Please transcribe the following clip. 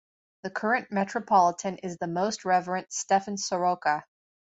The current metropolitan is the "Most Reverend" Stefan Soroka.